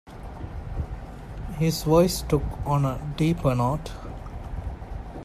His voice took on a deeper note.